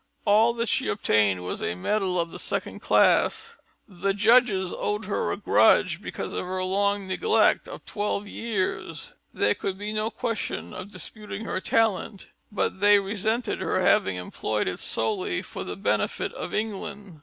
All that she obtained was a medal of the second class. The judges owed her a grudge because of her long neglect of twelve years. There could be no question of disputing her talent, but they resented her having employed it solely for the benefit of England.